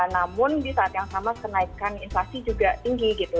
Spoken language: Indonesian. namun di saat yang sama kenaikan inflasi juga tinggi gitu